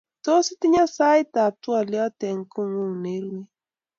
Tos itinye saitap twolyot eng kokung nerue?